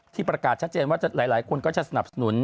ประกาศชัดเจนว่าหลายคนก็จะสนับสนุน